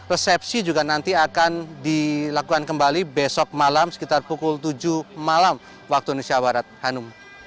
resepsi juga nanti akan dilakukan kembali besok malam sekitar pukul tujuh malam waktu indonesia barat hanum